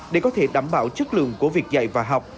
để có thể đảm bảo chất lượng của việc dạy và học